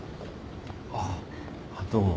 ああどうも。